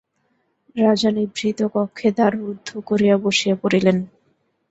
রাজা নিভৃত কক্ষে দ্বার রুদ্ধ করিয়া বসিয়া পড়িলেন।